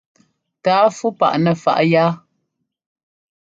Tǎa fú paʼ nɛ faʼ yá.